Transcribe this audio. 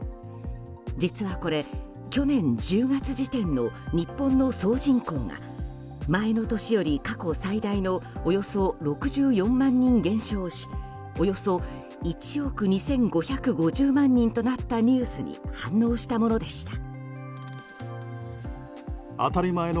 実はこれ、去年１０月時点の日本の総人口が前の年より、過去最大のおよそ６４万人減少しおよそ１億２５５０万人となったニュースに反応したものでした。